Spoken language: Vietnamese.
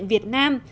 ở việt nam